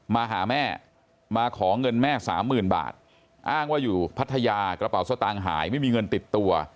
มาหาแม่มาขอเงินแม่สามหมื่นบาทอ้างว่าอยู่พัทยากระเป๋าสตางค์หายไม่มีเงินติดตัว